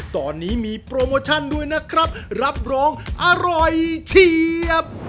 ตอนนี้มีโปรโมชั่นด้วยนะครับรับรองอร่อยเฉียบ